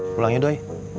pulang yuk doi